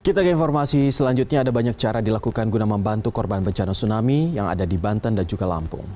kita ke informasi selanjutnya ada banyak cara dilakukan guna membantu korban bencana tsunami yang ada di banten dan juga lampung